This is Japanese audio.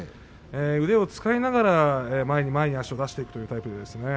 腕を使いながら前に前に足を出していくタイプですね。